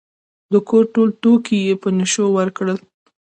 د کور ټول توکي یې په نشو ورکړل.